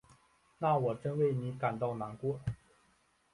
那我真为你感到难过。